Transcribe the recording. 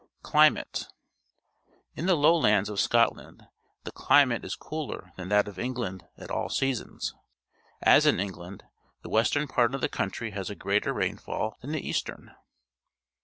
Climate. — In the Lowlands of Scotland the climate is cooler than that of England at all seasons. As in England, the western part of the country has a greater rainfall than the eastern.